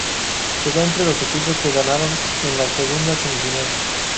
Se da entre los equipos que ganaron en la segunda semifinal.